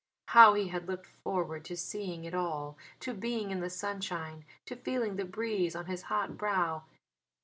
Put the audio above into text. How he had looked forward to seeing it all, to being in the sunshine, to feeling the breeze on his hot brow!